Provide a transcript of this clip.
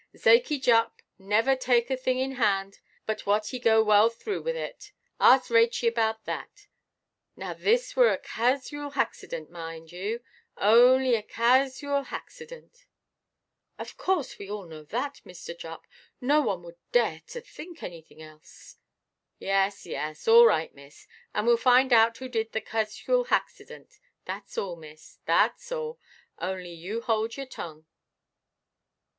Zakey Jupp never take a thing in hand but what he go well through with it. Ask Rachey about that. Now this were a casooal haxident, mind you, only a casooal haxident——" "Of course we all know that, Mr. Jupp. No one would dare to think anything else." "Yes, yes; all right, miss. And weʼll find out who did the casooal haxident—thatʼs all, miss, thatʼs all. Only you hold your tongue."